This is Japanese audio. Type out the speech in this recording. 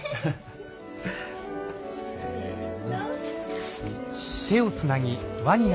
せの。